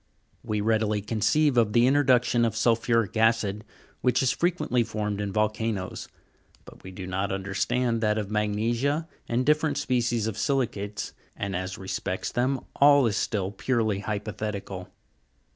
We readily conceive of the introduction of sulphuric ac;d, which is frequently formed in volcanoes ; but we do not understand that of magnesia and diffe rent species of si'licates, and, as respects them, all is still purely hypothetical.